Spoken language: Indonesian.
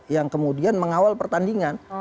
yang kemudian mengawal pertandingan